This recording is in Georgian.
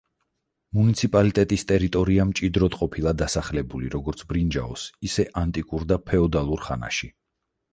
მუნიციპალიტეტის ტერიტორია მჭიდროდ ყოფილა დასახლებული როგორც ბრინჯაოს, ისე ანტიკურ და ფეოდალურ ხანაში.